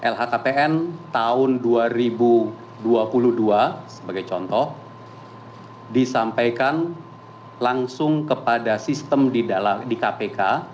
lhkpn tahun dua ribu dua puluh dua sebagai contoh disampaikan langsung kepada sistem di kpk